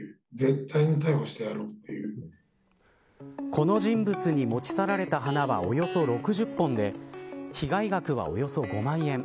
この人物に持ち去られた花はおよそ６０本で被害額は、およそ５万円。